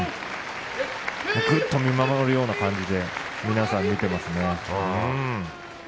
ぐっと見守るような感じで皆さん、見ていますね。